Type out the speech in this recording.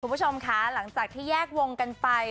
คุณผู้ชมคะหลังจากที่แยกวงกันไป